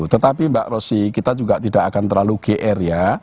tetapi mbak rosy kita juga tidak akan terlalu gr ya